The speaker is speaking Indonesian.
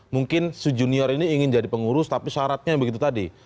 mungkin se junior ini ingin jadi pengurus tapi syaratnya begitu tadi